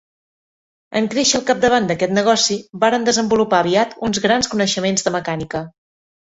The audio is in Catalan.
En créixer al capdavant d'aquest negoci, varen desenvolupar aviat uns grans coneixements de mecànica.